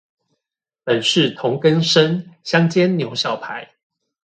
本是同根生，香煎牛小排